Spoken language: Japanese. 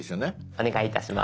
お願いいたします。